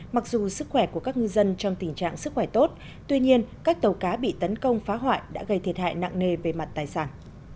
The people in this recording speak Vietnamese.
mặc dù sức khỏe của các ngư dân trong tình trạng sức khỏe tốt tuy nhiên các tàu cá bị tấn công phá hoại đã gây thiệt hại nặng nề về mặt tài sản